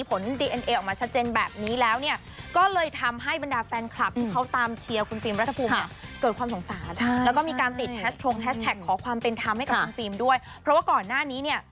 ขอความเป็นทำให้กับคุณฟิล์มด้วยเพราะว่าก่อนหน้านี้เนี่ย